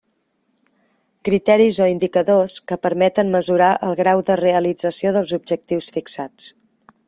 Criteris o indicadors que permeten mesurar el grau de realització dels objectius fixats.